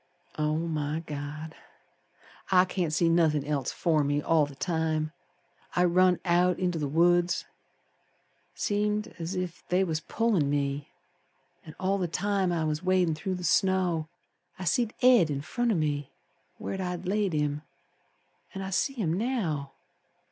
Oh, my God! I can't see nothin' else afore me all the time. I run out inter th' woods, Seemed as ef they was pullin' me; An' all the time I was wadin' through the snow I seed Ed in front of me Where I'd laid him. An' I see him now.